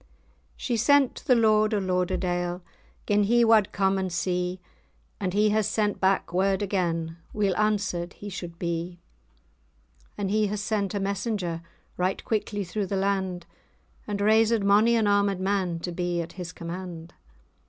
[#] rest. She sent to the Lord o' Lauderdale, Gin[#] he wad come and see, And he has sent back word again, Weel answered he suld[#] be. [#] if. [#] should. And he has sent a messenger Right quickly through the land, And raised mony an armed man To be at his command.